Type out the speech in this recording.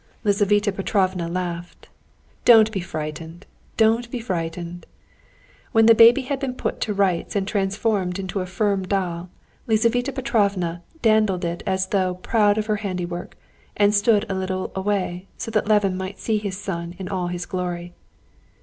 Lizaveta Petrovna laughed. "Don't be frightened, don't be frightened!" When the baby had been put to rights and transformed into a firm doll, Lizaveta Petrovna dandled it as though proud of her handiwork, and stood a little away so that Levin might see his son in all his glory.